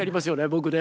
僕ね。